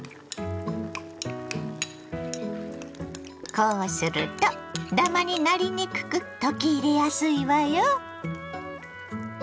こうするとだまになりにくく溶き入れやすいわよ。